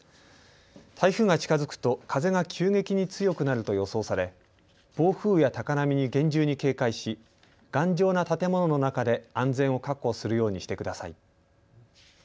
台風が近づくと風が急激に強くなると予想され暴風や高波に厳重に警戒し頑丈な建物の中で安全を確保するようにしてください。